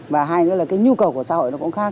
và hai nữa là cái nhu cầu của xã hội nó cũng khác